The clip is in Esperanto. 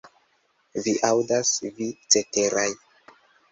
Vi aŭdas, vi ceteraj!